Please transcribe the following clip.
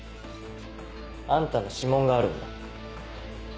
あんたの指紋があるんだ。